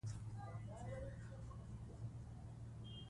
ماشومان د ښو عادتونو په زده کولو ښه راتلونکی جوړوي